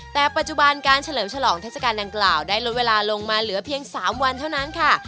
แต่ปัจจุบันการเฉลิมฉลองเทศกาลดังกล่าวได้ลดเวลาลงมาเหลือเพียง๓วันเท่านั้นค่ะ